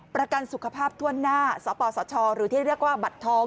ประกันสุขภาพถ้วนหน้าสปสชหรือที่เรียกว่าบัตรทอง